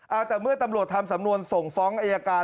เอาแต่เมื่อตำรวจทำสำนวนส่งฟ้องอายการ